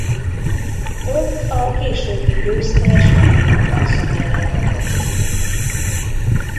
Ott a későbbi győztes Gary Anderson ellen kapott ki.